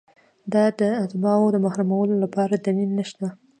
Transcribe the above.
دا د اتباعو محرومولو لپاره دلیل نشته.